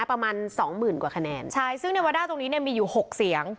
ประมาณสองหมื่นกว่าคะแนนใช่ซึ่งเนวาด้าตรงนี้เนี่ยมีอยู่หกเสียง